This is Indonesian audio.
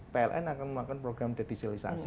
pln akan melakukan program de dieselisasi